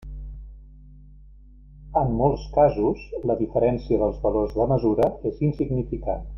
En molts casos, la diferència dels valors de mesura és insignificant.